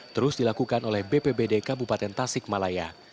terus dilakukan oleh bpbd kabupaten tasik malaya